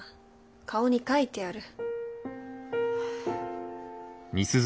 顔に書いてある。